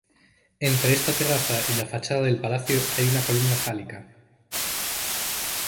Entre esta terraza y la fachada del palacio hay una columna fálica.